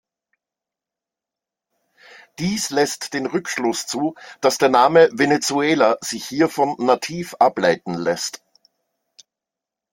Dies lässt den Rückschluss zu, dass der Name „Venezuela“ sich hiervon nativ ableiten lässt.